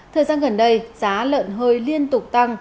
thời gian gần đây giá lợn hơi liên tục tăng